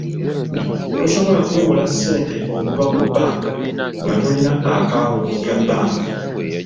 Tosobola kwewola ssente okuva mu bbanka nga tolina akaawunti ya bbanka.